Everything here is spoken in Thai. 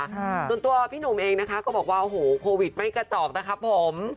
ส่วนตัวพี่หนุ่มเองนะคะก็บอกว่าโอ้โหโควิดไม่กระจอกนะครับผม